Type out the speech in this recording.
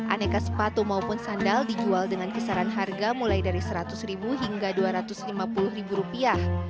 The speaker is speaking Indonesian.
aneka sepatu maupun sandal dijual dengan kisaran harga mulai dari seratus ribu hingga dua ratus lima puluh ribu rupiah